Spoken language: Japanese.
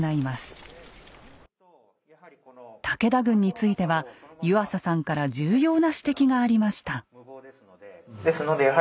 武田軍については湯浅さんから重要な指摘がありました。